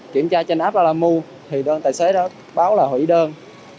kiểm tra trên app ralamou thì đơn tài xế đó báo là hủy đơn